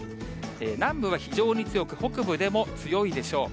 南部は非常に強く、北部でも強いでしょう。